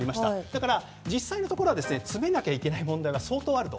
だから実際のところは詰めなきゃ問題は相当あると。